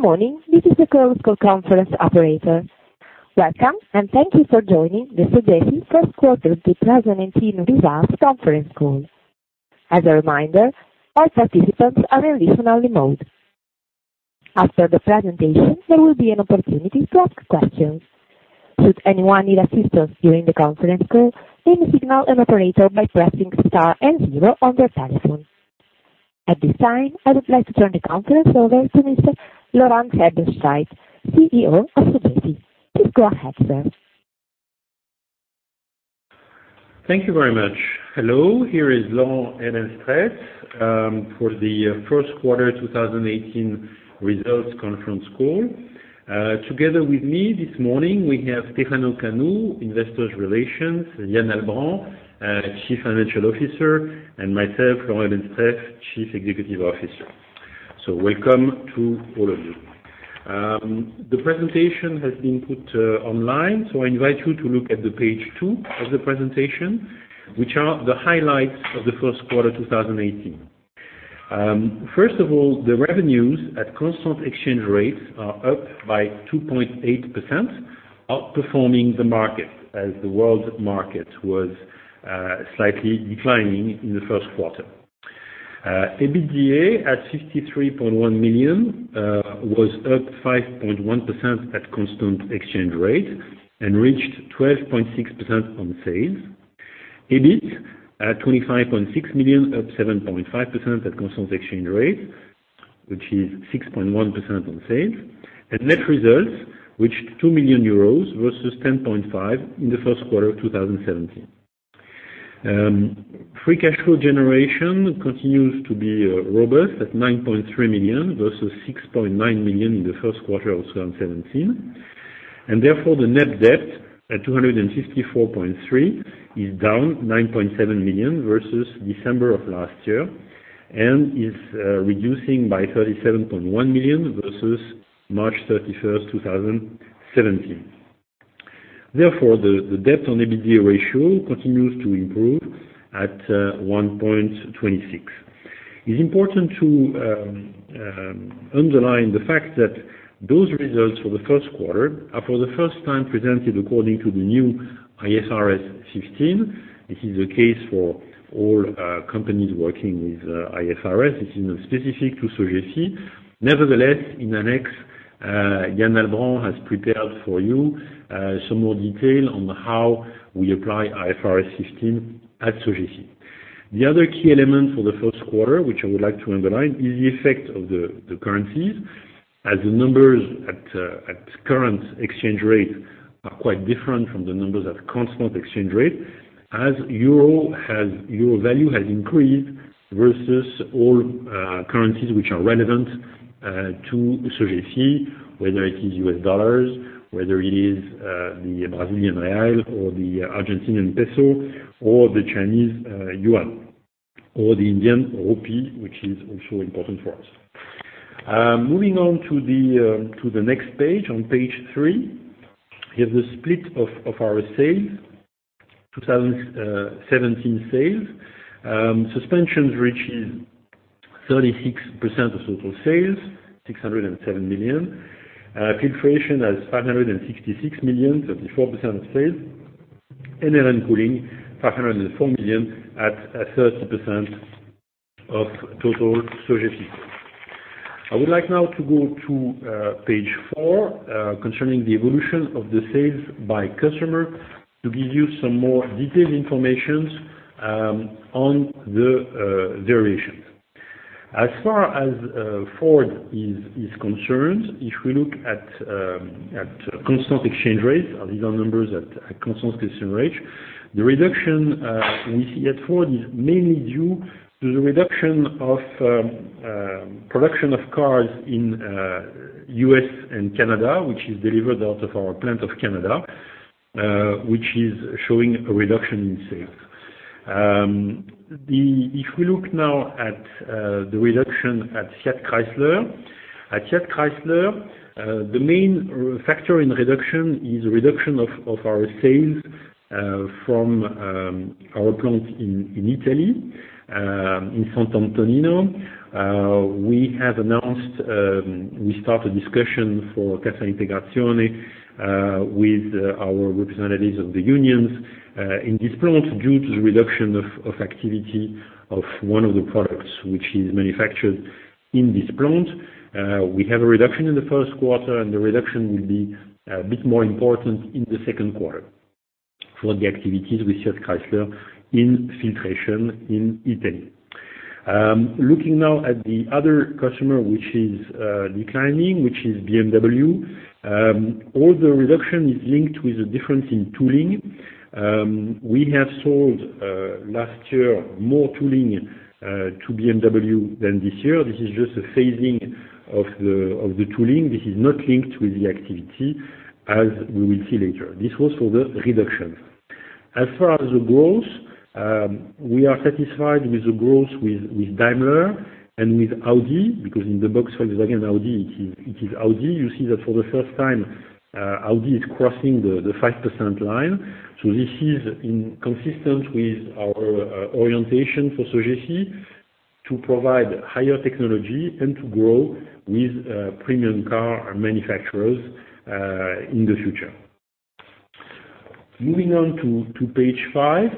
Good morning. This is the conference call conference operator. Welcome, and thank you for joining the Sogefi first quarter 2018 results conference call. As a reminder, all participants are in listen-only mode. After the presentation, there will be an opportunity to ask questions. Should anyone need assistance during the conference call, please signal an operator by pressing star and zero on their telephone. At this time, I would like to turn the conference over to Mr. Laurent Hebenstreit, CEO of Sogefi. Please go ahead, sir. Thank you very much. Hello, here is Laurent Hebenstreit for the first quarter 2018 results conference call. Together with me this morning, we have Stefano Canu, Investor Relations, Yann Albrand, Chief Financial Officer, and myself, Laurent Hebenstreit, Chief Executive Officer. Welcome to all of you. The presentation has been put online, so I invite you to look at the page two of the presentation, which are the highlights of the first quarter 2018. First of all, the revenues at constant exchange rates are up by 2.8%, outperforming the market as the world market was slightly declining in the first quarter. EBITDA at 63.1 million was up 5.1% at constant exchange rate and reached 12.6% on sales. EBIT at 25.6 million, up 7.5% at constant exchange rate, which is 6.1% on sales. Net results reached 2 million euros versus 10.5 million in the first quarter of 2017. Free cash flow generation continues to be robust at 9.3 million versus 6.9 million in the first quarter of 2017. Therefore, the net debt at 264.3 million is down 9.7 million versus December of last year and is reducing by 37.1 million versus March 31st, 2017. Therefore, the debt on EBITDA ratio continues to improve at 1.26. It's important to underline the fact that those results for the first quarter are for the first time presented according to the new IFRS 16. This is the case for all companies working with IFRS. This is not specific to Sogefi. Nevertheless, in annex, Yann Albrand has prepared for you some more detail on how we apply IFRS 16 at Sogefi. The other key element for the first quarter, which I would like to underline, is the effect of the currencies as the numbers at current exchange rate are quite different from the numbers at constant exchange rate. As euro value has increased versus all currencies which are relevant to Sogefi, whether it is US dollars, whether it is the Brazilian real or the Argentinian peso or the Chinese yuan or the Indian rupee, which is also important for us. Moving on to the next page, on page three, we have the split of our sales, 2017 sales. Suspensions reaches 36% of total sales, 607 million. Filtration has 566 million, 34% of sales. Then Air & Cooling, 504 million at 30% of total Sogefi. I would like now to go to page four concerning the evolution of the sales by customer to give you some more detailed informations on the variations. As far as Ford is concerned, if we look at constant exchange rates, these are numbers at constant exchange rate. The reduction we see at Ford is mainly due to the reduction of production of cars in U.S. and Canada, which is delivered out of our plant of Canada, which is showing a reduction in sales. If we look now at the reduction at Fiat Chrysler. At Fiat Chrysler, the main factor in reduction is reduction of our sales from our plant in Italy, in Sant'Antonino. We started discussion for Cassa Integrazione with our representatives of the unions in this plant due to the reduction of activity of one of the products which is manufactured in this plant. We have a reduction in the first quarter, and the reduction will be a bit more important in the second quarter for the activities with Fiat Chrysler in Filtration in Italy. Looking now at the other customer which is declining, which is BMW. All the reduction is linked with the difference in tooling. We have sold last year more tooling to BMW than this year. This is just a phasing of the tooling. This is not linked with the activity as we will see later. This was for the reduction. As far as the growth, we are satisfied with the growth with Daimler and with Audi, because in the box for Volkswagen, Audi, it is Audi. You see that for the first time, Audi is crossing the 5% line. This is in consistent with our orientation for Sogefi to provide higher technology and to grow with premium car manufacturers in the future. Moving on to page five,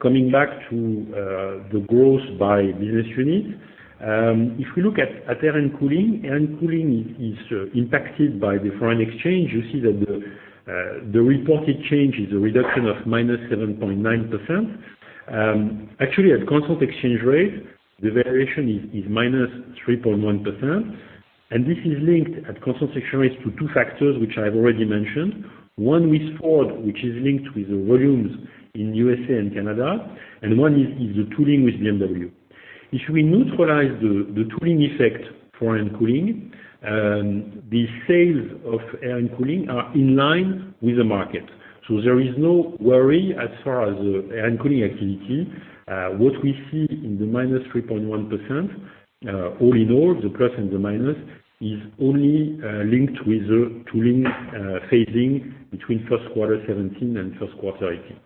coming back to the growth by business unit. If we look at Air & Cooling, Air & Cooling is impacted by the foreign exchange. You see that the reported change is a reduction of -7.9%. Actually, at constant exchange rate, the variation is -3.1%, and this is linked at constant exchange rates to two factors, which I've already mentioned. One with Ford, which is linked with the volumes in USA and Canada, and one is the tooling with BMW. If we neutralize the tooling effect for Air & Cooling, the sales of Air & Cooling are in line with the market. There is no worry as far as the Air & Cooling activity. What we see in the -3.1%, all in all, the plus and the minus, is only linked with the tooling phasing between first quarter 2017 and first quarter 2018.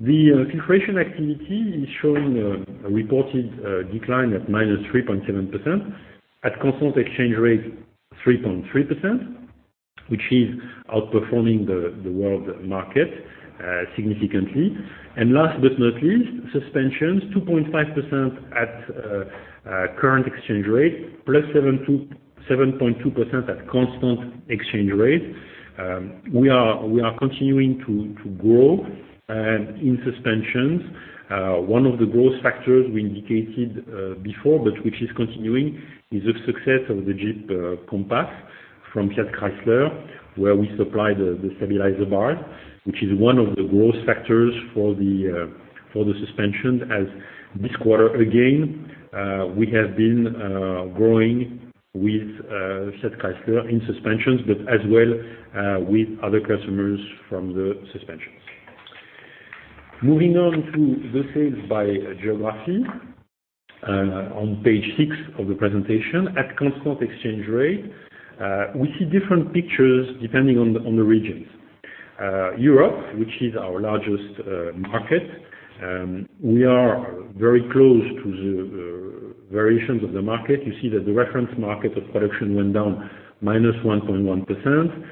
The Filtration activity is showing a reported decline at -3.7%. At constant exchange rate, 3.3%, which is outperforming the world market significantly. Last but not least, Suspensions, 2.5% at current exchange rate, plus 7.2% at constant exchange rate. We are continuing to grow in Suspensions. One of the growth factors we indicated before, but which is continuing, is the success of the Jeep Compass from Fiat Chrysler, where we supply the stabilizer bar, which is one of the growth factors for the Suspension as this quarter, again, we have been growing with Fiat Chrysler in Suspensions, but as well with other customers from the Suspensions. Moving on to the sales by geography, on page six of the presentation. At constant exchange rate, we see different pictures depending on the regions. Europe, which is our largest market, we are very close to the variations of the market. You see that the reference market of production went down -1.1%,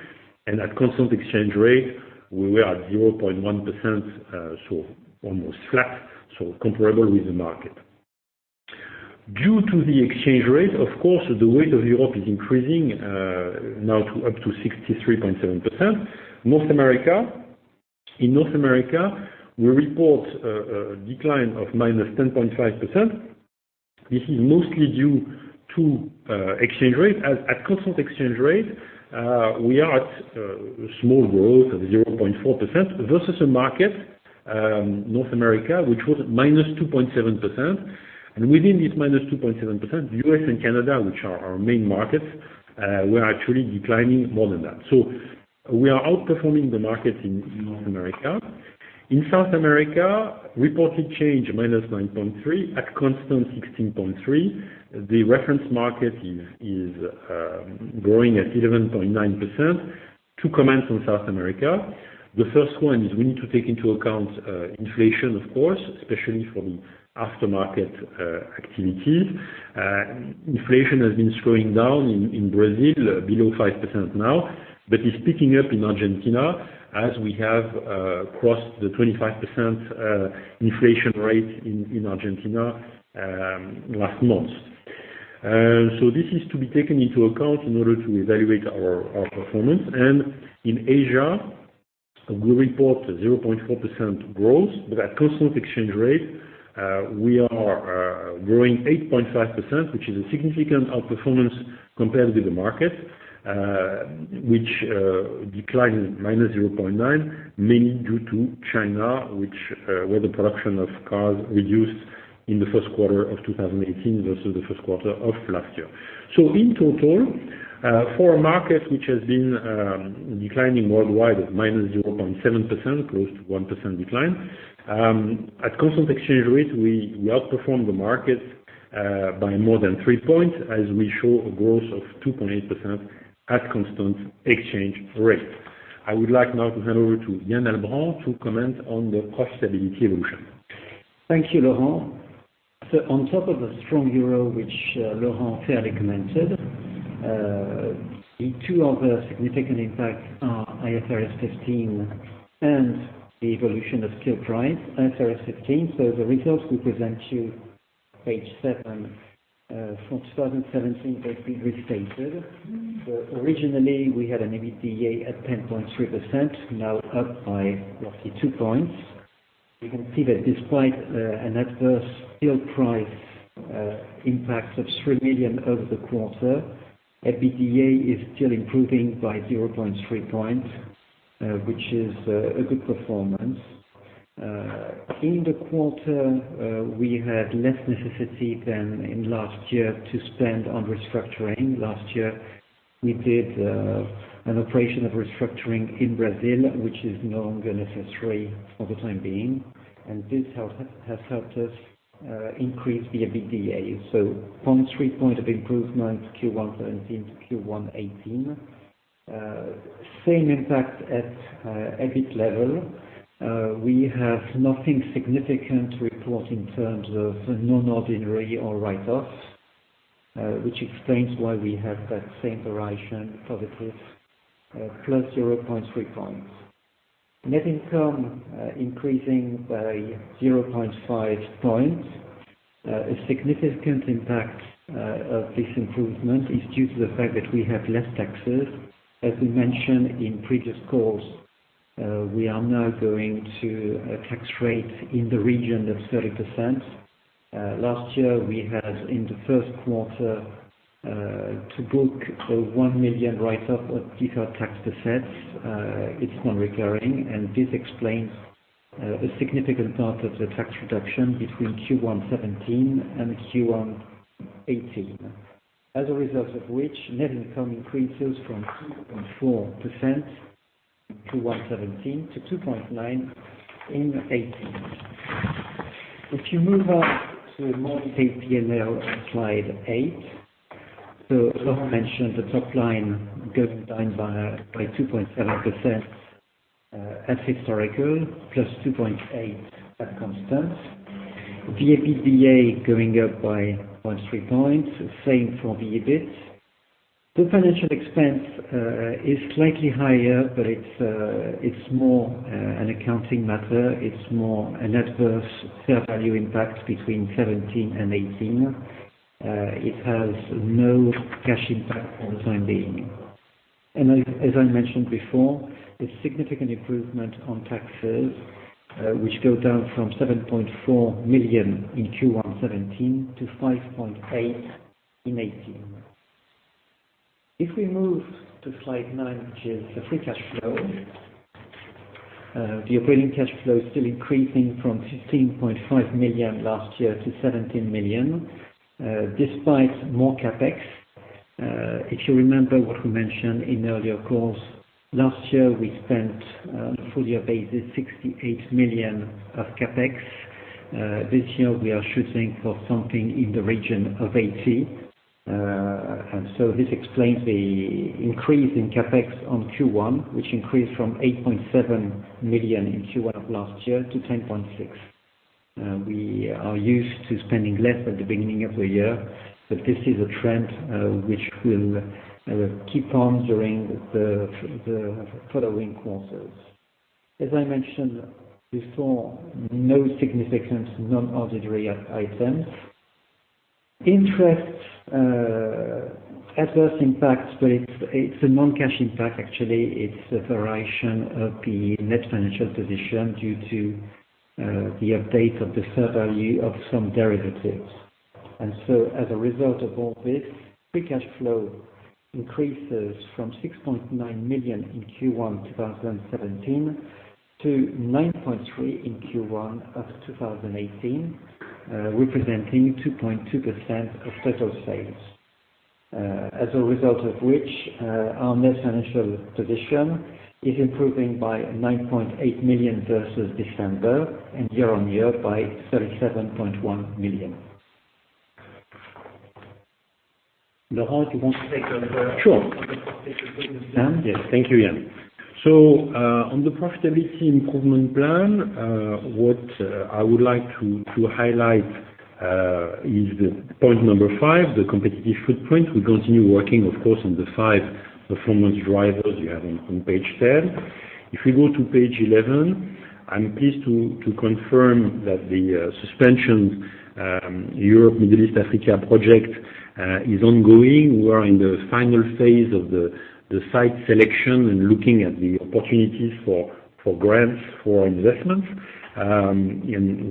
and at constant exchange rate, we were at 0.1%, almost flat, comparable with the market. Due to the exchange rate, of course, the weight of Europe is increasing now up to 63.7%. In North America, we report a decline of -10.5%. This is mostly due to exchange rate. At constant exchange rate, we are at small growth of 0.4% versus the market, North America, which was at -2.7%. Within this -2.7%, the U.S. and Canada, which are our main markets, were actually declining more than that. We are outperforming the market in North America. In South America, reported change -9.3%, at constant 16.3%. The reference market is growing at 11.9%. Two comments on South America. The first one is we need to take into account inflation, of course, especially for the aftermarket activities. Inflation has been slowing down in Brazil, below 5% now, but is picking up in Argentina as we have crossed the 25% inflation rate in Argentina last month. This is to be taken into account in order to evaluate our performance. In Asia, we report a 0.4% growth, but at constant exchange rate, we are growing 8.5%, which is a significant outperformance compared with the market, which declined -0.9%, mainly due to China, where the production of cars reduced in the first quarter of 2018 versus the first quarter of last year. In total, for a market which has been declining worldwide at -0.7%, close to 1% decline, at constant exchange rate, we outperformed the market by more than three points as we show a growth of 2.8% at constant exchange rate. I would like now to hand over to Yann Albrand to comment on the profitability evolution. Thank you, Laurent. On top of a strong EUR, which Laurent fairly commented, the two other significant impacts are IFRS 15 and the evolution of steel price. IFRS 15, the results we present to you, page seven, from 2017, they've been restated. Originally, we had an EBITDA at 10.3%, now up by roughly two points. You can see that despite an adverse steel price impact of 3 million over the quarter, EBITDA is still improving by 0.3 points, which is a good performance. In the quarter, we had less necessity than in last year to spend on restructuring. Last year, we did an operation of restructuring in Brazil, which is no longer necessary for the time being, and this has helped us increase the EBITDA. From three points of improvement, Q1 2017 to Q1 2018. Same impact at EBIT level. We have nothing significant to report in terms of non-ordinary or write-offs, which explains why we have that same variation positive, plus 0.3 points. Net income increasing by 0.5 points. A significant impact of this improvement is due to the fact that we have less taxes. As we mentioned in previous calls, we are now going to a tax rate in the region of 30%. Last year, we had in the first quarter to book a 1 million write-off of deferred tax assets. It is non-recurring, and this explains a significant part of the tax reduction between Q1 2017 and Q1 2018. As a result of which, net income increases from 2.4% in Q1 2017 to 2.9% in 2018. If you move on to monthly P&L on slide eight. Laurent mentioned the top line going down by 2.7% at historical, plus 2.8% at constant. EBITDA going up by 0.3 points, same for the EBIT. The financial expense is slightly higher, but it is more an accounting matter. It is more a net versus fair value impact between 2017 and 2018. It has no cash impact for the time being. As I mentioned before, a significant improvement on taxes, which go down from 7.4 million in Q1 2017 to 5.8 million in 2018. If we move to slide nine, which is the free cash flow. The operating cash flow is still increasing from 15.5 million last year to 17 million, despite more CapEx. If you remember what we mentioned in earlier calls, last year, we spent, on a full year basis, 68 million of CapEx. This year, we are shooting for something in the region of 80 million. This explains the increase in CapEx on Q1, which increased from 8.7 million in Q1 of last year to 10.6 million. We are used to spending less at the beginning of the year, but this is a trend which will keep on during the following quarters. As I mentioned before, no significant non-ordinary items. Interest adverse impact, but it is a non-cash impact, actually. It is a variation of the net financial position due to the update of the fair value of some derivatives. As a result of all this, free cash flow increases from 6.9 million in Q1 2017 to 9.3 million in Q1 of 2018, representing 2.2% of total sales. As a result of which, our net financial position is improving by 9.8 million versus December and year-on-year by 37.1 million. Laurent, you want to take over- Sure on the profitability improvement plan? Yes. Thank you, Yann. On the profitability improvement plan, what I would like to highlight is the point number 5, the competitive footprint. We continue working, of course, on the 5 performance drivers you have on page 10. If we go to page 11, I'm pleased to confirm that the Suspensions Europe, Middle East, Africa project is ongoing. We are in the final phase of the site selection and looking at the opportunities for grants for investments.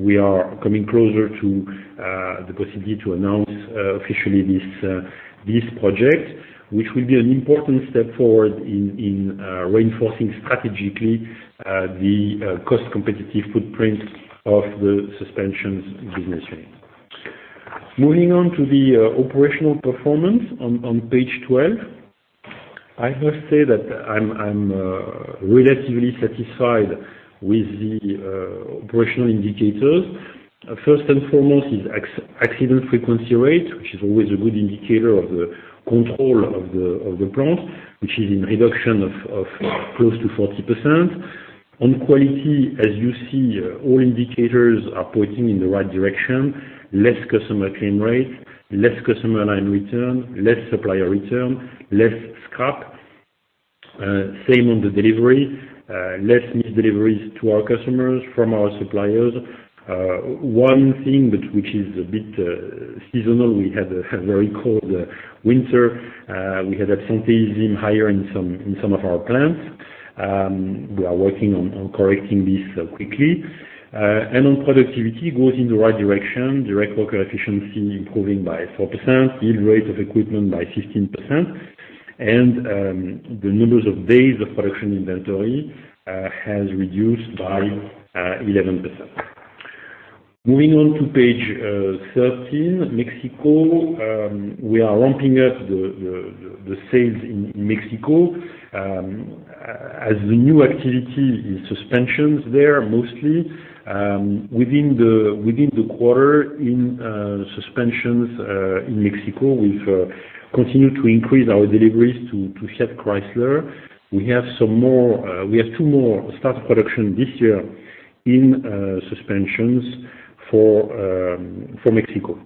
We are coming closer to the possibility to announce officially this project, which will be an important step forward in reinforcing strategically the cost competitive footprint of the Suspensions business unit. Moving on to the operational performance on page 12. I must say that I'm relatively satisfied with the operational indicators. First and foremost is accident frequency rate, which is always a good indicator of the control of the plant, which is in reduction of close to 40%. On quality, as you see, all indicators are pointing in the right direction. Less customer claim rate, less customer line return, less supplier return, less scrap. Same on the delivery. Less missed deliveries to our customers from our suppliers. One thing which is a bit seasonal, we had a very cold winter. We had absenteeism higher in some of our plants. We are working on correcting this quickly. On productivity, goes in the right direction. Direct worker efficiency improving by 4%, yield rate of equipment by 15%, and the numbers of days of production inventory has reduced by 11%. Moving on to page 13, Mexico. We are ramping up the sales in Mexico. As the new activity is Suspensions there mostly. Within the quarter in Suspensions in Mexico, we've continued to increase our deliveries to Fiat Chrysler. We have two more start production this year in Suspensions for Mexico.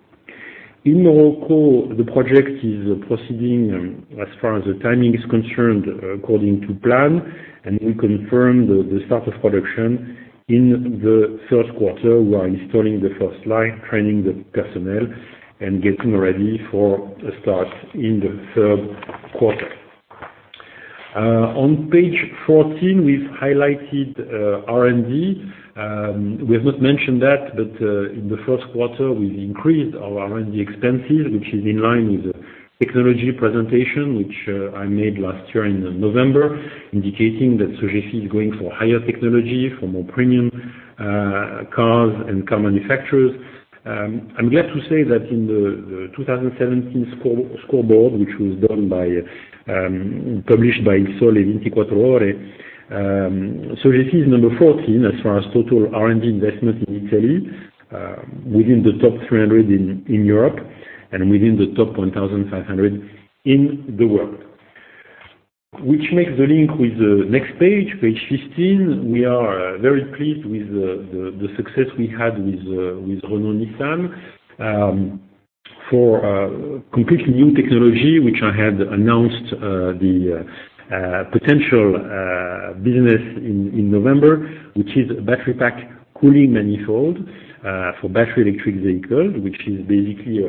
In Morocco, the project is proceeding as far as the timing is concerned according to plan, and we confirm the start of production in the first quarter. We are installing the first line, training the personnel, and getting ready for a start in the third quarter. On page 14, we've highlighted R&D. We have not mentioned that, but in the first quarter, we increased our R&D expenses, which is in line with the technology presentation which I made last year in November, indicating that Sogefi is going for higher technology, for more premium cars and car manufacturers. I'm glad to say that in the 2017 scoreboard, which was published by Il Sole 24 Ore, Sogefi is number 14 as far as total R&D investment in Italy, within the top 300 in Europe and within the top 1,500 in the world. Which makes the link with the next page 15. We are very pleased with the success we had with Renault Nissan for a completely new technology, which I had announced the potential business in November, which is a battery pack cooling manifold for battery electric vehicles, which is basically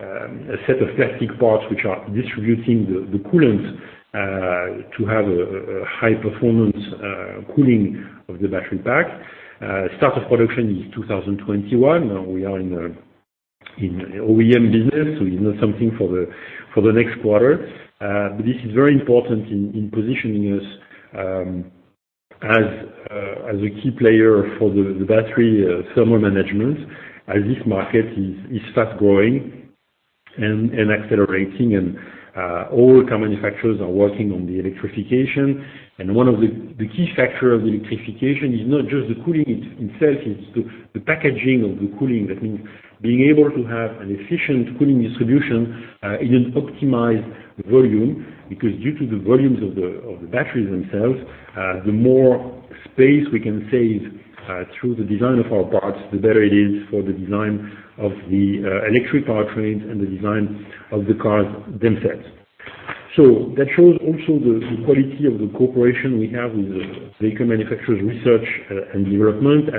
a set of plastic parts which are distributing the coolant to have a high-performance cooling of the battery pack. Start of production is 2021. Now we are in OEM business, so it's not something for the next quarter. This is very important in positioning us as a key player for the battery thermal management as this market starts growing and accelerating and all car manufacturers are working on the electrification. One of the key factors of electrification is not just the cooling itself, it is the packaging of the cooling. That means being able to have an efficient cooling distribution in an optimized volume, because due to the volumes of the batteries themselves, the more space we can save through the design of our parts, the better it is for the design of the electric powertrains and the design of the cars themselves. That shows also the quality of the cooperation we have with the vehicle manufacturers' research and development.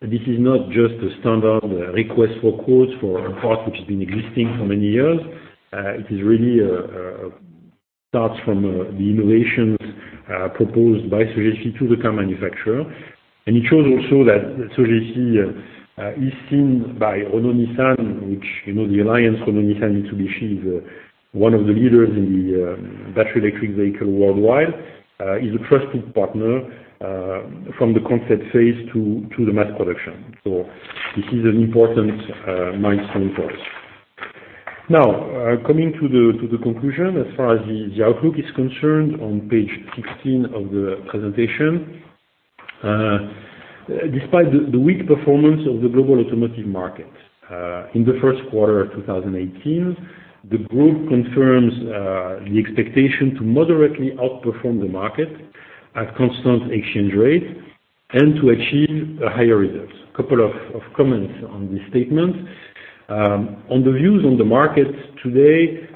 This is not just a standard request for quotes for a part which has been existing for many years. It really starts from the innovations proposed by Sogefi to the car manufacturer. It shows also that Sogefi is seen by Renault-Nissan, which the Renault-Nissan-Mitsubishi Alliance is one of the leaders in the battery electric vehicle worldwide, is a trusted partner from the concept phase to the mass production. This is an important milestone for us. Now, coming to the conclusion as far as the outlook is concerned on page 16 of the presentation. Despite the weak performance of the global automotive market in the first quarter of 2018, the group confirms the expectation to moderately outperform the market at constant exchange rate and to achieve higher reserves. Couple of comments on this statement. On the views on the markets today,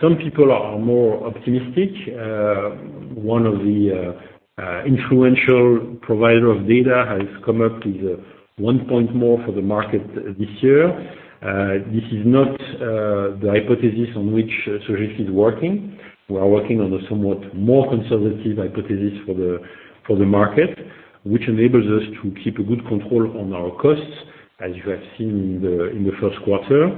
some people are more optimistic. One of the influential provider of data has come up with one point more for the market this year. This is not the hypothesis on which Sogefi is working. We are working on a somewhat more conservative hypothesis for the market, which enables us to keep a good control on our costs, as you have seen in the first quarter.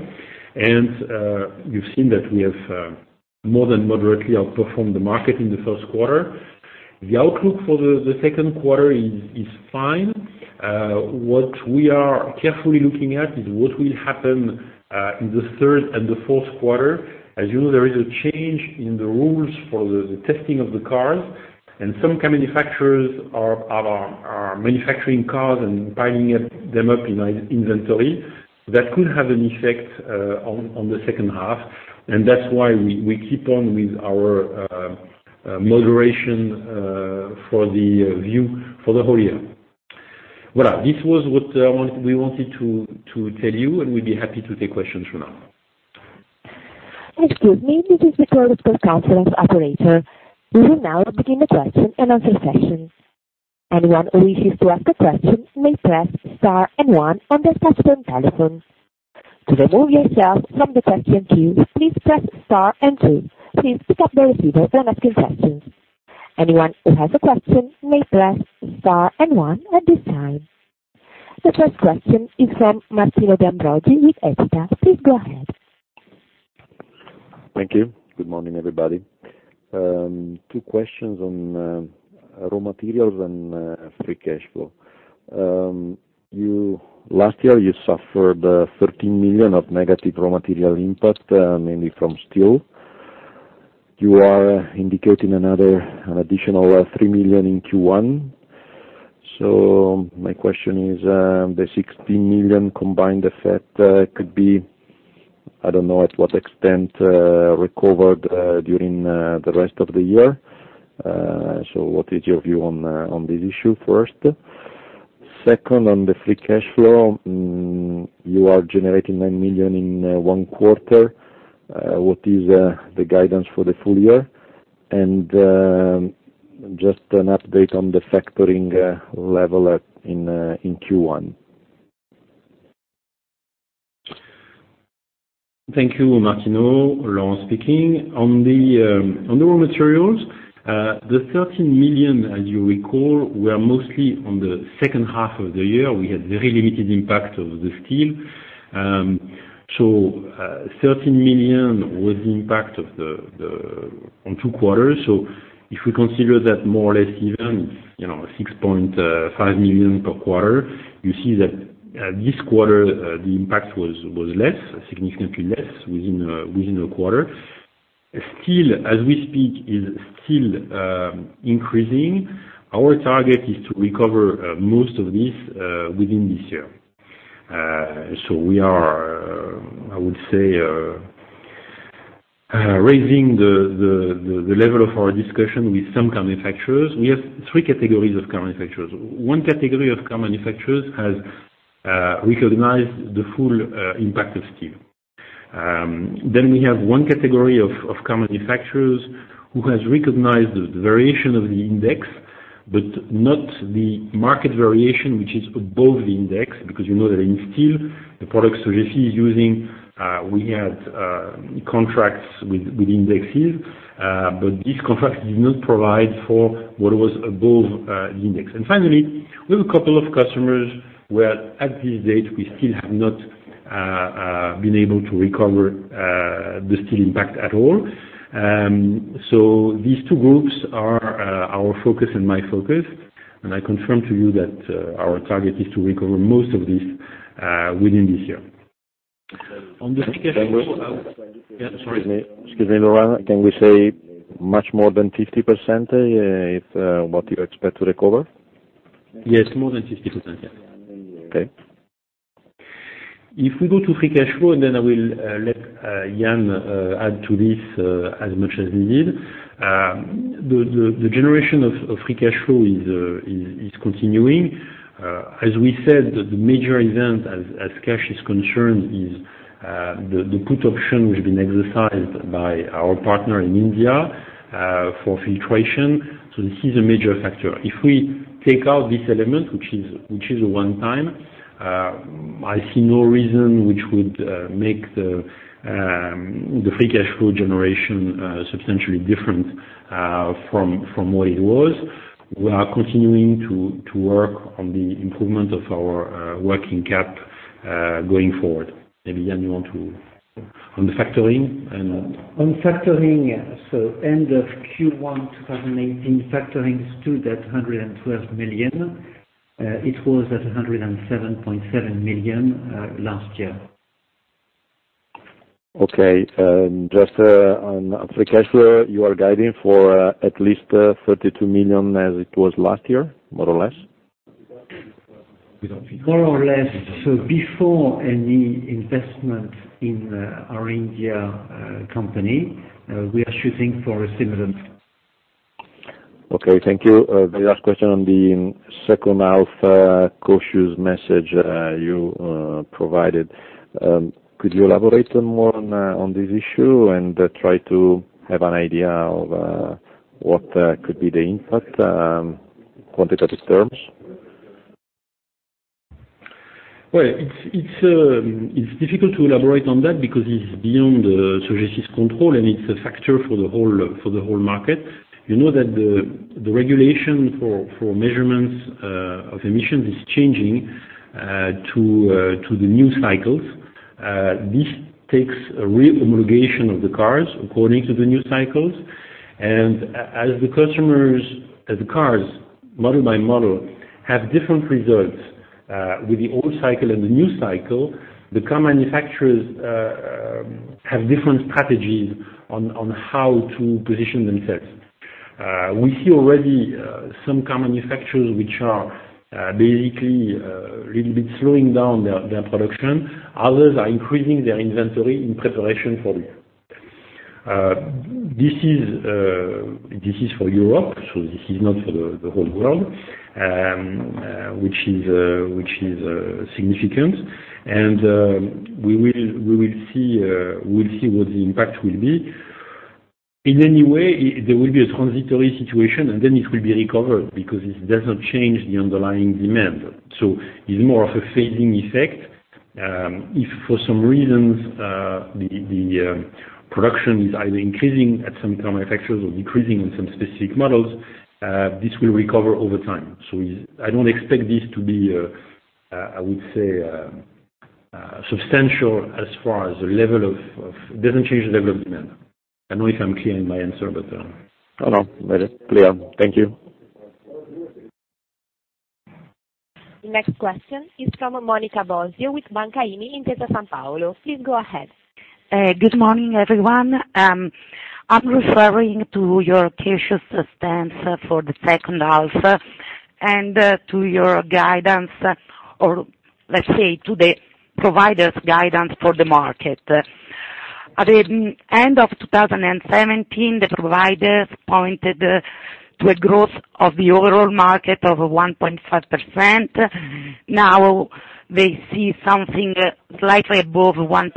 You've seen that we have more than moderately outperformed the market in the first quarter. The outlook for the second quarter is fine. What we are carefully looking at is what will happen in the third and the fourth quarter. As you know, there is a change in the rules for the testing of the cars, and some car manufacturers are manufacturing cars and piling them up in inventory. That could have an effect on the second half, and that's why we keep on with our moderation for the view for the whole year. Voilà, this was what we wanted to tell you, and we'd be happy to take questions for now. Excuse me. This is Victoria, conference operator. We will now begin the question and answer session. Anyone who wishes to ask a question may press star and one on their touch-tone telephone. To remove yourself from the question queue, please press star and two. Please pick up the receiver when asking questions. Anyone who has a question may press star and one at this time. The first question is from Martino Tamburini with Equita. Please go ahead. Thank you. Good morning, everybody. Two questions on raw materials and free cash flow. Last year, you suffered 13 million of negative raw material impact, mainly from steel. You are indicating an additional 3 million in Q1. My question is, the 16 million combined effect could be I don't know at what extent recovered during the rest of the year. What is your view on this issue, first? Second, on the free cash flow, you are generating 9 million in one quarter. What is the guidance for the full year? Just an update on the factoring level in Q1. Thank you, Martino. Laurent speaking. On the raw materials, the 13 million, as you recall, were mostly on the second half of the year. We had very limited impact of the steel. 13 million was the impact on two quarters. If we consider that more or less even, 6.5 million per quarter, you see that this quarter, the impact was significantly less within a quarter. Steel, as we speak, is still increasing. Our target is to recover most of this within this year. We are, I would say, raising the level of our discussion with some car manufacturers. We have three categories of car manufacturers. One category of car manufacturers has recognized the full impact of steel. We have one category of car manufacturers who has recognized the variation of the index, but not the market variation, which is above the index, because you know that in steel, the products Sogefi is using, we had contracts with indexes, but these contracts did not provide for what was above the index. Finally, we have a couple of customers where at this date, we still have not been able to recover the steel impact at all. These two groups are our focus and my focus, and I confirm to you that our target is to recover most of this within this year. Excuse me, Laurent, can we say much more than 50% is what you expect to recover? Yes, more than 50%, yeah. Okay. If we go to free cash flow, then I will let Yann add to this as much as needed. The generation of free cash flow is continuing. As we said, the major event as cash is concerned is the put option which has been exercised by our partner in India for Filtration. This is a major factor. If we take out this element, which is one-time, I see no reason which would make the free cash flow generation substantially different from what it was. We are continuing to work on the improvement of our working cap going forward. Maybe Yann, you want to On the factoring and- On factoring, end of Q1 2018, factoring stood at 112 million. It was at 107.7 million last year. Just on free cash flow, you are guiding for at least 32 million as it was last year, more or less? More or less. Before any investment in our India company, we are shooting for a similar. Thank you. The last question on the second half cautious message you provided. Could you elaborate more on this issue and try to have an idea of what could be the impact in quantitative terms? It's difficult to elaborate on that because it's beyond Sogefi's control, and it's a factor for the whole market. You know that the regulation for measurements of emissions is changing to the new cycles. This takes a re-homologation of the cars according to the new cycles. As the cars, model by model, have different results with the old cycle and the new cycle, the car manufacturers have different strategies on how to position themselves. We see already some car manufacturers which are basically a little bit slowing down their production. Others are increasing their inventory in preparation for this. This is for Europe, so this is not for the whole world, which is significant. We will see what the impact will be. In any way, there will be a transitory situation, and then it will be recovered because it does not change the underlying demand. It's more of a phasing effect. If, for some reasons, the production is either increasing at some car manufacturers or decreasing in some specific models, this will recover over time. I don't expect this to be, I would say, substantial as far as the level of demand. I don't know if I'm clear in my answer. No, very clear. Thank you. Next question is from Monica Bosio with Banca Intesa Sanpaolo. Please go ahead. Good morning, everyone. I'm referring to your cautious stance for the second half and to your guidance or, let's say, to the provider's guidance for the market. At the end of 2017, the providers pointed to a growth of the overall market of 1.5%. Now they see something slightly above 1%.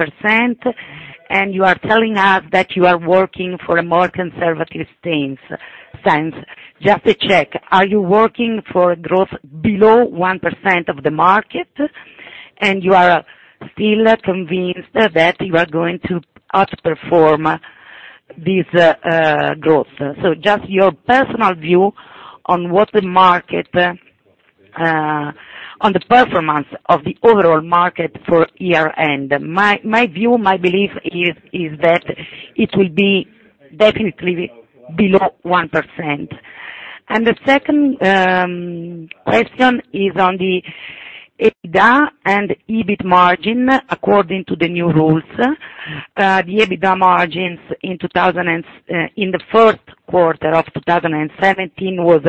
You are telling us that you are working for a more conservative stance. Just to check, are you working for growth below 1% of the market? You are still convinced that you are going to outperform this growth? Just your personal view on the performance of the overall market for year-end. My view, my belief is that it will be definitely below 1%. The second question is on the EBITDA and EBIT margin according to the new rules. The EBITDA margins in the first quarter of 2017 was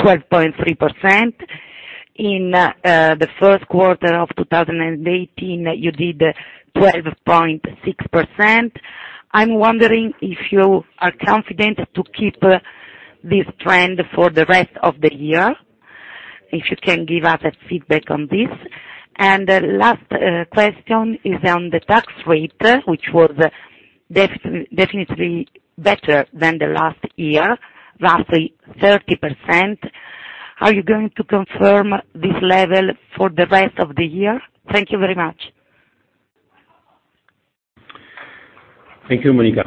12.3%. In the first quarter of 2018, you did 12.6%. I'm wondering if you are confident to keep this trend for the rest of the year, if you can give us a feedback on this. The last question is on the tax rate, which was definitely better than the last year, roughly 30%. Are you going to confirm this level for the rest of the year? Thank you very much. Thank you, Monica.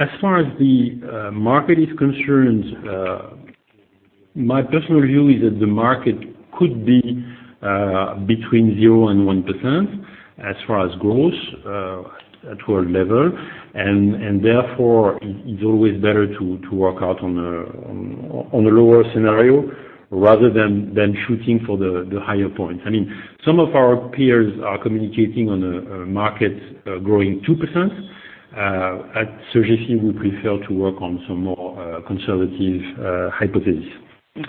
As far as the market is concerned, my personal view is that the market could be between 0% and 1% as far as growth at world level. Therefore, it's always better to work out on a lower scenario rather than shooting for the higher points. Some of our peers are communicating on a market growing 2%. At Sogefi, we prefer to work on some more conservative hypothesis. As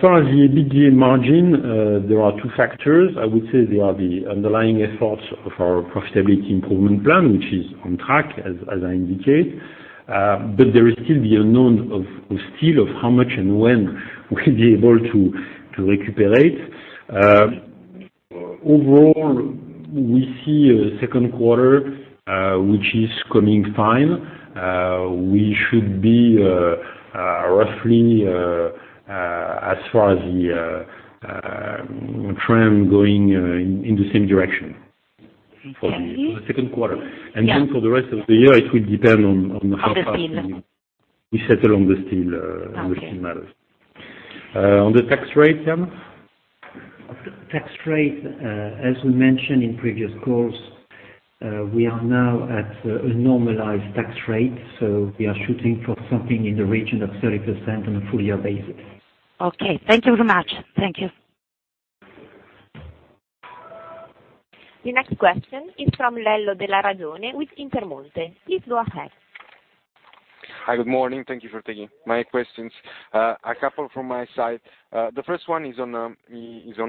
far as the EBITDA margin, there are two factors. I would say they are the underlying efforts of our profitability improvement plan, which is on track, as I indicate. There is still the unknown of steel, of how much and when we'll be able to recuperate. Overall, we see a second quarter which is coming fine. We should be roughly, as far as the trend, going in the same direction for the second quarter. Yeah. For the rest of the year, it will depend on how- On the steel We settle on the steel matters. Okay. On the tax rate, Yann. On the tax rate, as we mentioned in previous calls, we are now at a normalized tax rate, so we are shooting for something in the region of 30% on a full-year basis. Okay. Thank you very much. Thank you. The next question is from Lello Della Ragione with Intermonte. Please go ahead. Hi, good morning. Thank you for taking my questions. A couple from my side. The first one is on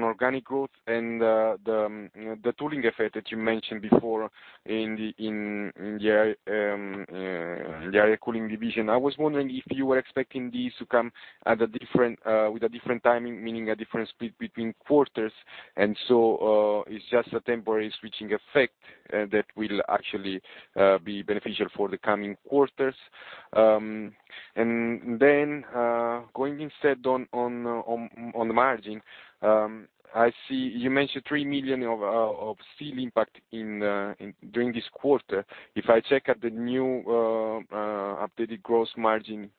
organic growth and the tooling effect that you mentioned before in the Air & Cooling division. So it's just a temporary switching effect that will actually be beneficial for the coming quarters. Then, going instead on margin. You mentioned 3 million of steel impact during this quarter. If I check at the new updated gross margin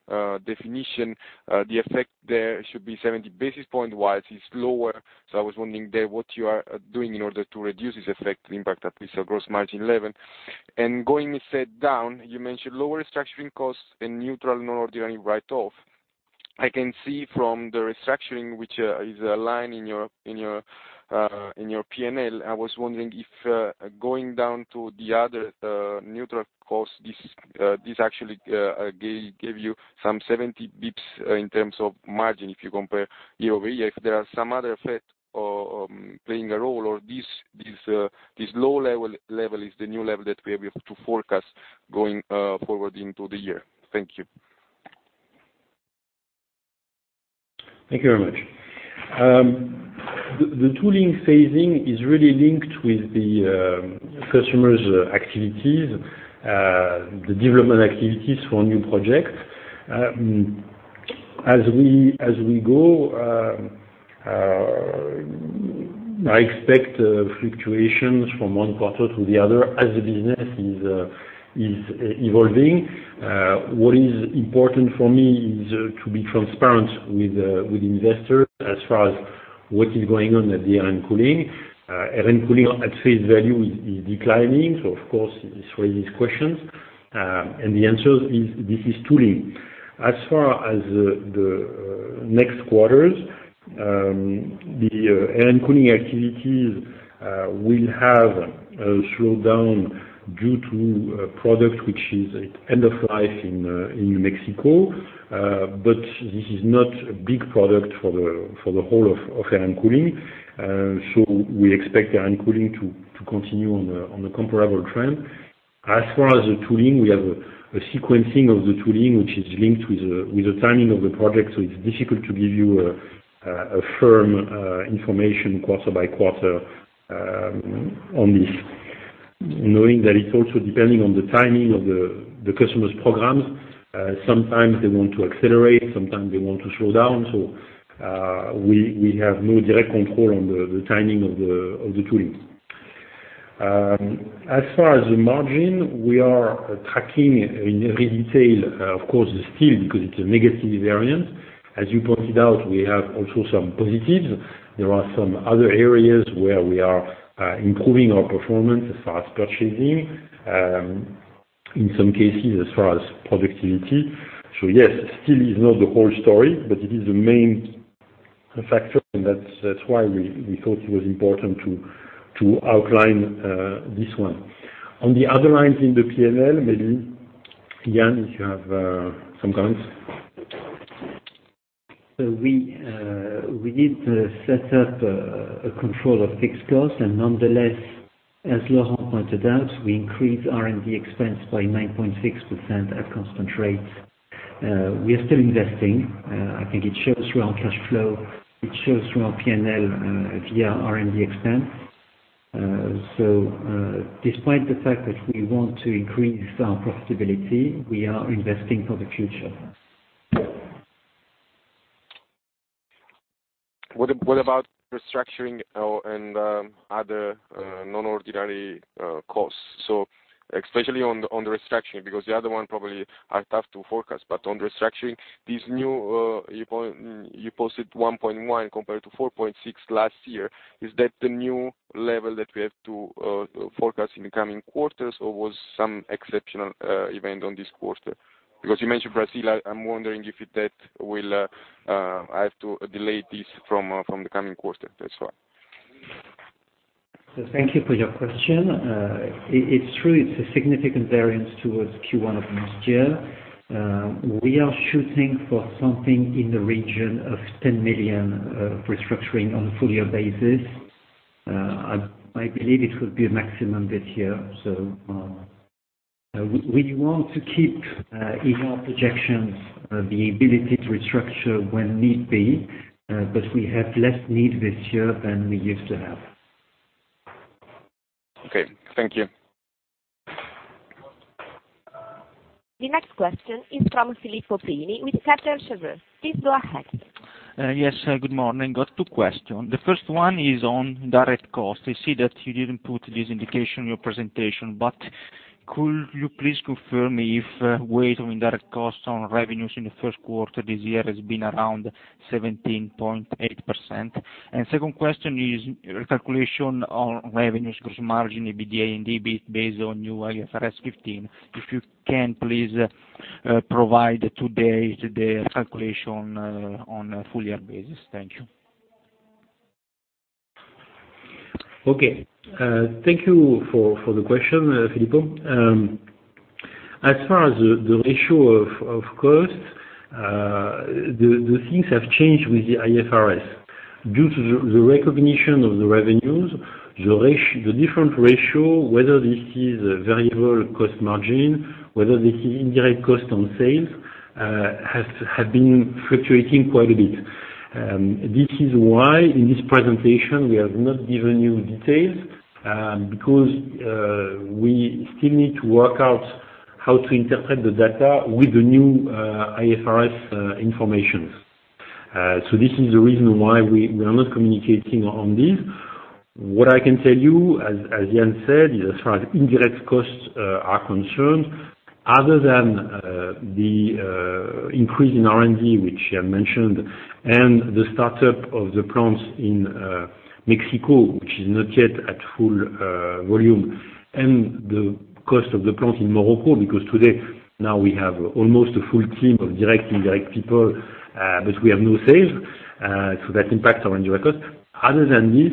definition, the effect there should be 70 basis points is lower. I was wondering there, what you are doing in order to reduce this effect impact at least a gross margin 11%. Going instead down, you mentioned lower restructuring costs and neutral non-recurring write-off. I can see from the restructuring, which is a line in your P&L. I was wondering if going down to the other neutral cost, this actually gave you some 70 basis points in terms of margin, if you compare year-over-year. If there are some other effect playing a role or this low level is the new level that we have to forecast going forward into the year. Thank you. Thank you very much. The tooling phasing is really linked with the customers' activities, the development activities for new projects. As we go, I expect fluctuations from one quarter to the other as the business is evolving. What is important for me is to be transparent with investors as far as what is going on at the Air & Cooling. Air & Cooling at face value is declining, of course, this raises questions, and the answer is this is tooling. As far as the next quarters, the Air & Cooling activities will have a slowdown due to a product which is at end of life in Mexico. This is not a big product for the whole of Air & Cooling. We expect Air & Cooling to continue on the comparable trend. As far as the tooling, we have a sequencing of the tooling, which is linked with the timing of the project. It's difficult to give you a firm information quarter by quarter on this, knowing that it's also depending on the timing of the customer's programs. Sometimes they want to accelerate, sometimes they want to slow down. We have no direct control on the timing of the tooling. As far as the margin, we are tracking in every detail, of course, the steel because it's a negative variance. As you pointed out, we have also some positives. There are some other areas where we are improving our performance as far as purchasing, in some cases as far as productivity. Yes, steel is not the whole story, it is the main factor, and that's why we thought it was important to outline this one. On the other lines in the P&L, maybe Yann, if you have some comments. We did set up a control of fixed cost. Nonetheless, as Laurent pointed out, we increased R&D expense by 9.6% at constant rates. We are still investing. I think it shows through our cash flow. It shows through our P&L via R&D expense. Despite the fact that we want to increase our profitability, we are investing for the future. What about restructuring and other non-ordinary costs? Especially on the restructuring, because the other one probably are tough to forecast, but on restructuring, you posted 1.1 compared to 4.6 last year. Is that the new level that we have to forecast in the coming quarters, or was some exceptional event on this quarter? Because you mentioned Brazil, I'm wondering if that will have to delay this from the coming quarter. That's why. Thank you for your question. It's true it's a significant variance towards Q1 of last year. We are shooting for something in the region of 10 million of restructuring on a full year basis. I believe it will be a maximum this year. We want to keep in our projections the ability to restructure when need be, but we have less need this year than we used to have. Okay. Thank you. The next question is from Filippo Pini with Kepler Cheuvreux. Please go ahead. Yes. Good morning. Got two question. The first one is on direct cost. I see that you didn't put this indication in your presentation, but could you please confirm if weight of indirect costs on revenues in the first quarter this year has been around 17.8%? Second question is recalculation on revenues, gross margin, EBITDA and EBIT based on new IFRS 15. If you can please provide today the calculation on a full year basis. Thank you. Okay. Thank you for the question, Filippo. As far as the ratio of cost, the things have changed with the IFRS. Due to the recognition of the revenues, the different ratio, whether this is a variable cost margin, whether this is indirect cost on sales, have been fluctuating quite a bit. This is why in this presentation, we have not given you details, because we still need to work out how to interpret the data with the new IFRS information. This is the reason why we are not communicating on this. What I can tell you, as Yann said, is as far as indirect costs are concerned, other than the increase in R&D, which Yann mentioned, and the startup of the plants in Mexico, which is not yet at full volume, and the cost of the plant in Morocco, because today now we have almost a full team of direct and indirect people, but we have no sales. That impacts our indirect costs. Other than this,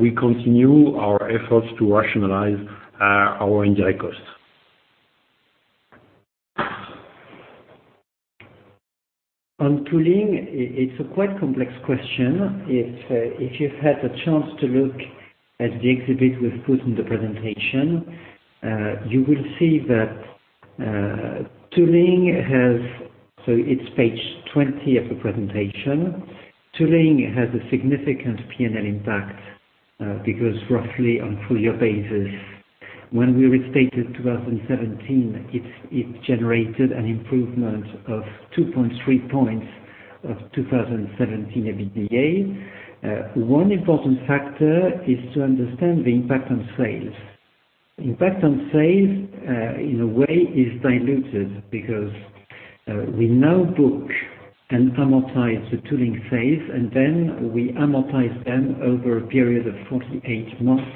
we continue our efforts to rationalize our indirect costs. On tooling, it is a quite complex question. If you've had a chance to look at the exhibit we've put in the presentation, you will see that tooling has It is page 20 of the presentation. Tooling has a significant P&L impact, because roughly on full year basis, when we restated 2017, it generated an improvement of 2.3 points of 2017 EBITDA. One important factor is to understand the impact on sales. Impact on sales, in a way, is diluted because we now book and amortize the tooling sales, and then we amortize them over a period of 48 months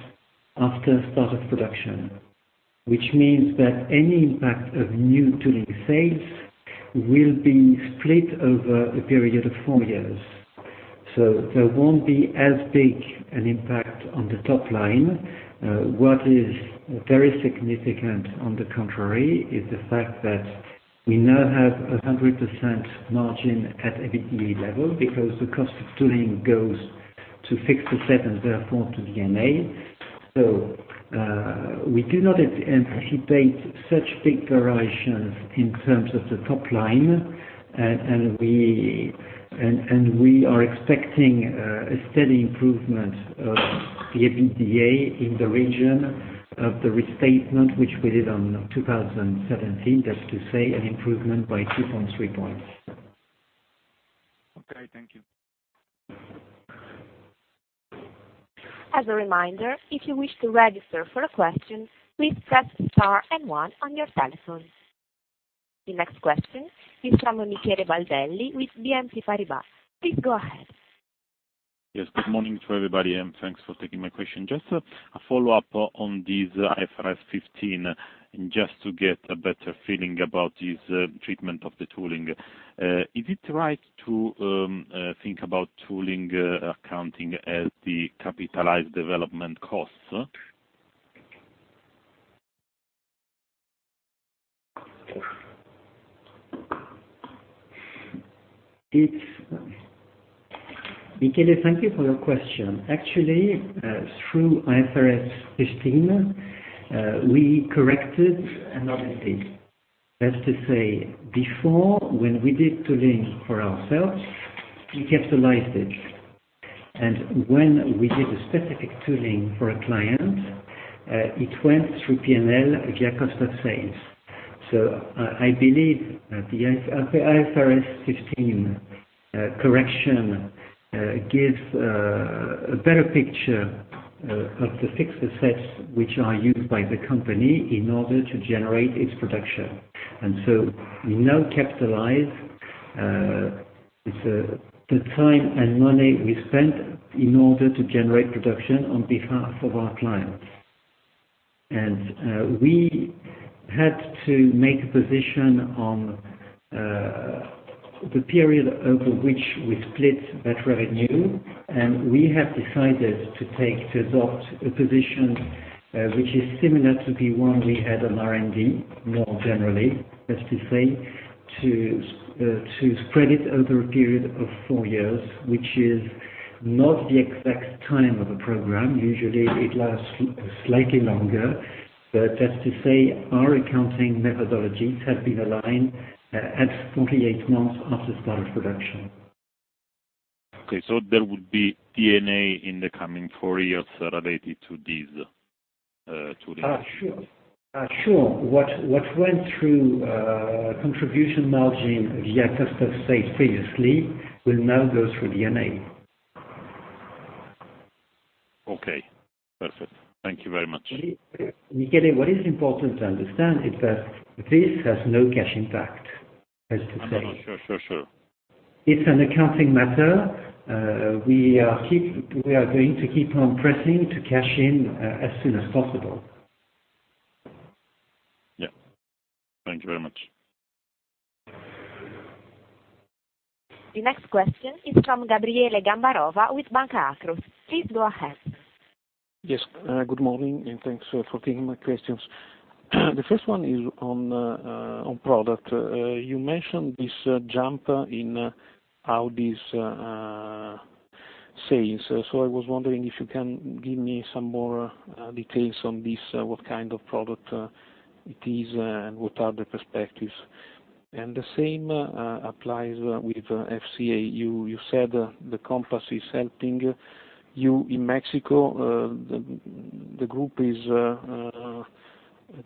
after start of production. Which means that any impact of new tooling sales will be split over a period of four years. There won't be as big an impact on the top line. What is very significant, on the contrary, is the fact that we now have 100% margin at EBITDA level because the cost of tooling goes to fixed assets, therefore to D&A. We do not anticipate such big variations in terms of the top line, and we are expecting a steady improvement of the EBITDA in the region of the restatement, which we did on 2017. That's to say, an improvement by 2.3 points. Okay, thank you. As a reminder, if you wish to register for a question, please press star and one on your telephone. The next question is from Michele Valdeli with BNP Paribas. Please go ahead. Yes, good morning to everybody, and thanks for taking my question. Just a follow-up on this IFRS 15, just to get a better feeling about this treatment of the tooling. Is it right to think about tooling accounting as the capitalized development costs? Michele, thank you for your question. Actually, through IFRS 15, we corrected an anomaly. That is to say, before, when we did tooling for ourselves, we capitalized it. When we did a specific tooling for a client, it went through P&L via cost of sales. I believe the IFRS 15 correction gives a better picture of the fixed assets which are used by the company in order to generate its production. We now capitalize the time and money we spent in order to generate production on behalf of our clients. We had to make a position on the period over which we split that revenue, and we have decided to adopt a position which is similar to the one we had on R&D, more generally, that is to say, to spread it over a period of four years, which is not the exact time of a program. Usually, it lasts slightly longer. That is to say, our accounting methodologies have been aligned at 48 months after start of production. Okay, there would be D&A in the coming four years related to these toolings. Sure. What went through contribution margin via cost of sale previously will now go through D&A. Okay, perfect. Thank you very much. Michele, what is important to understand is that this has no cash impact. I know. Sure. It's an accounting matter. We are going to keep on pressing to cash in as soon as possible. Yeah. Thank you very much. The next question is from Gabriele Gambarova with Banca IMI. Please go ahead. Yes, good morning. Thanks for taking my questions. The first one is on product. You mentioned this jump in Audi's sales. I was wondering if you can give me some more details on this, what kind of product it is, and what are the perspectives. The same applies with FCA. You said the Compass is helping you in Mexico. The group is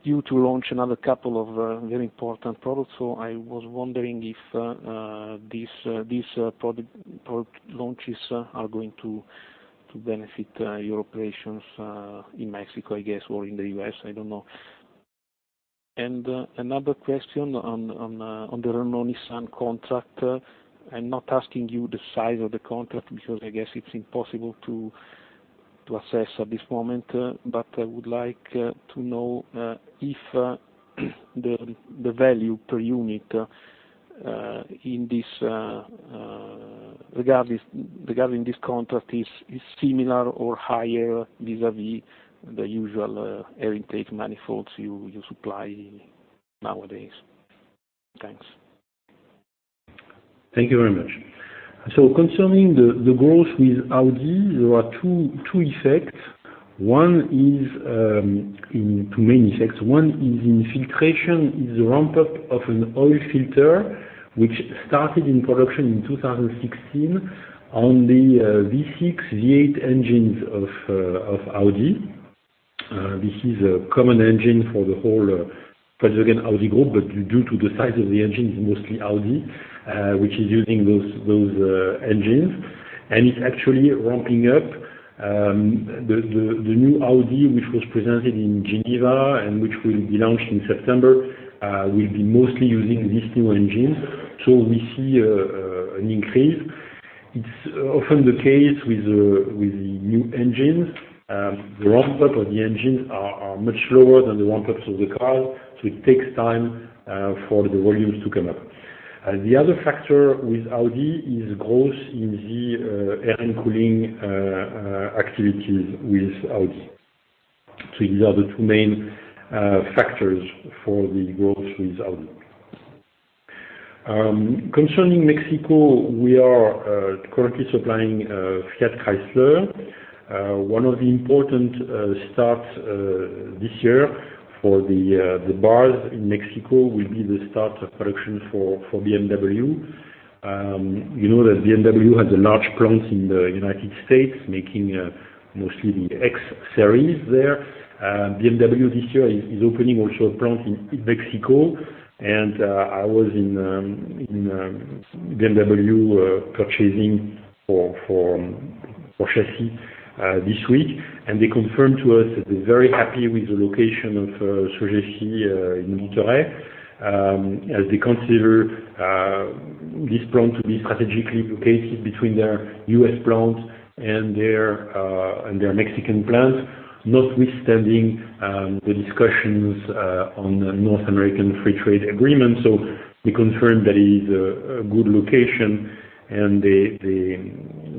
due to launch another couple of very important products. I was wondering if these product launches are going to benefit your operations in Mexico, I guess, or in the U.S., I don't know. Another question on the Renault-Nissan contract. I'm not asking you the size of the contract because I guess it's impossible to assess at this moment, I would like to know if the value per unit regarding this contract is similar or higher vis-à-vis the usual air intake manifolds you supply nowadays. Thanks. Thank you very much. Concerning the growth with Audi, there are two effects. One is in Filtration, is the ramp-up of an oil filter, which started in production in 2016 on the V6, V8 engines of Audi. This is a common engine for the whole Volkswagen Group, but due to the size of the engine, it's mostly Audi which is using those engines. It's actually ramping up the new Audi, which was presented in Geneva and which will be launched in September, will be mostly using this new engine. We see an increase. It's often the case with the new engines. The ramp-up of the engines are much lower than the ramp-ups of the cars, it takes time for the volumes to come up. The other factor with Audi is growth in the Air & Cooling activities with Audi. These are the two main factors for the growth with Audi. Concerning Mexico, we are currently supplying Fiat Chrysler. One of the important starts this year for the stabilizer bars in Mexico will be the start of production for BMW. You know that BMW has a large plant in the U.S., making mostly the X Series there. BMW this year is opening also a plant in Mexico, I was in BMW purchasing for chassis this week, they confirmed to us that they're very happy with the location of Sogefi in Monterrey, as they consider this plant to be strategically located between their U.S. plant and their Mexican plant, notwithstanding the discussions on the North American Free Trade Agreement. We confirm that it is a good location,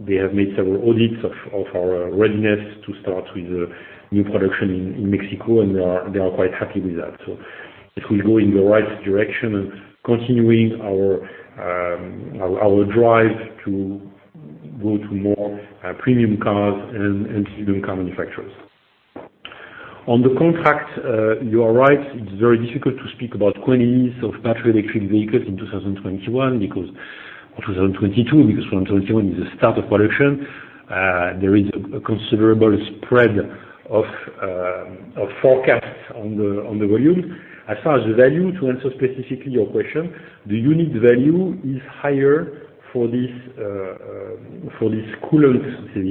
they have made several audits of our readiness to start with new production in Mexico, and they are quite happy with that. It will go in the right direction and continuing our drive to go to more premium cars and premium car manufacturers. On the contract, you are right, it's very difficult to speak about quantities of battery electric vehicles in 2021 or 2022, because 2021 is the start of production. There is a considerable spread of forecasts on the volume. As far as the value, to answer specifically your question, the unit value is higher for this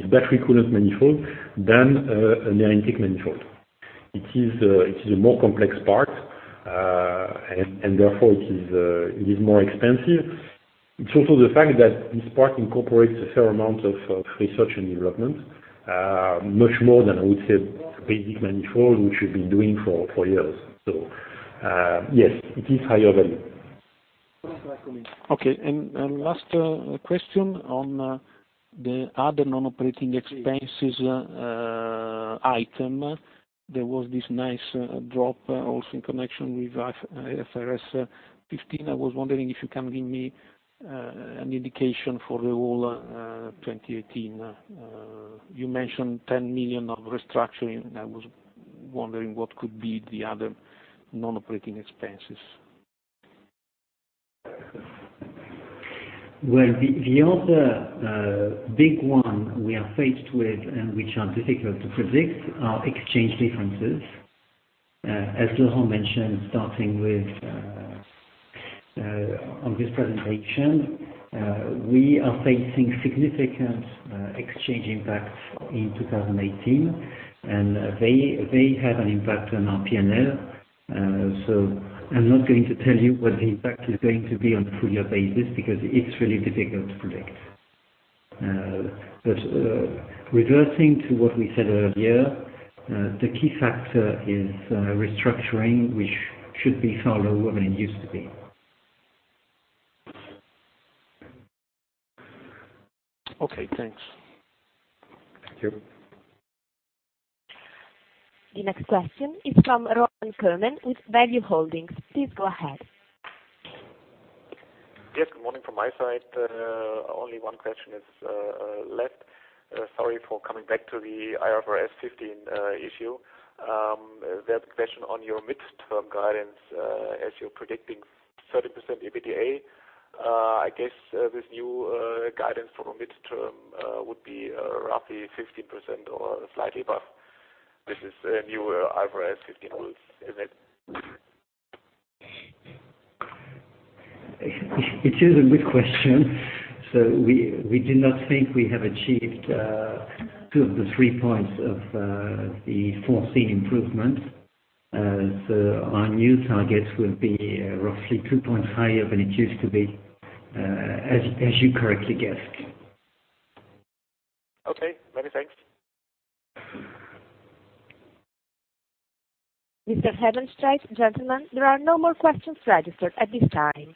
battery coolant manifold than an air intake manifold. It is a more complex part, therefore it is more expensive. It's also the fact that this part incorporates a fair amount of Research and Development much more than, I would say, a basic manifold which we've been doing for years. Yes, it is higher value. Last question on the other non-operating expenses item. There was this nice drop also in connection with IFRS 15. I was wondering if you can give me an indication for the whole 2018. You mentioned 10 million of restructuring. I was wondering what could be the other non-operating expenses. Well, the other big one we are faced with, which are difficult to predict, are exchange differences. As Laurent mentioned, starting with on this presentation, we are facing significant exchange impacts in 2018. They have an impact on our P&L. I'm not going to tell you what the impact is going to be on a full year basis, because it's really difficult to predict. Reverting to what we said earlier, the key factor is restructuring, which should be far lower than it used to be. Okay, thanks. Thank you. The next question is from Roman Kerman with Value Holdings. Please go ahead. Yes, good morning from my side. Only one question is left. Sorry for coming back to the IFRS 15 issue. We have a question on your midterm guidance as you're predicting 30% EBITDA. I guess this new guidance from a midterm would be roughly 15% or slightly above. This is a new IFRS 15 rule, isn't it? It is a good question. We do not think we have achieved two of the three points of the foreseen improvement, as our new targets will be roughly two points higher than it used to be, as you correctly guessed. Okay, many thanks. Mr. Hebenstreit, gentlemen, there are no more questions registered at this time.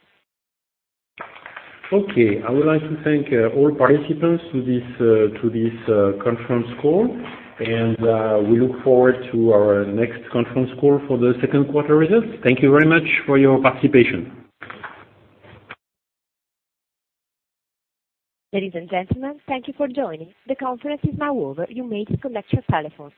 I would like to thank all participants to this conference call. We look forward to our next conference call for the second quarter results. Thank you very much for your participation. Ladies and gentlemen, thank you for joining. The conference is now over. You may disconnect your telephones.